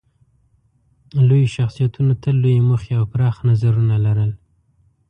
لویو شخصیتونو تل لویې موخې او پراخ نظرونه لرل.